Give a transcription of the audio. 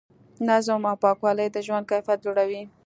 نظم او پاکوالی د ژوند کیفیت لوړوي.